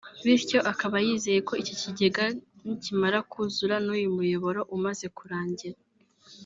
bityo akaba yizeye ko iki kigega nikimara kuzura n’uyu muyoboro umaze kurangira